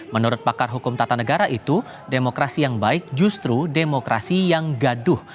menurut pakar hukum tata negara itu demokrasi yang baik justru demokrasi yang gaduh